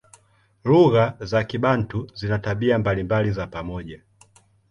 Lugha za Kibantu zina tabia mbalimbali za pamoja.